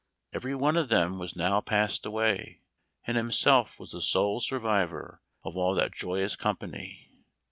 Every one of them was now passed away, and himself was the sole sur vivor of all that joyous company.